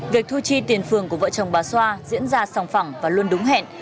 việc thu chi tiền phường của vợ chồng bà xoa diễn ra sòng phẳng và luôn đúng hẹn